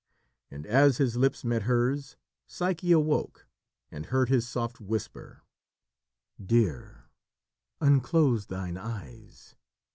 And as his lips met hers, Psyche awoke, and heard his soft whisper: "Dear, unclose thine eyes.